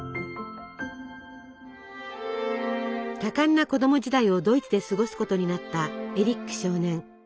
多感な子供時代をドイツで過ごすことになったエリック少年。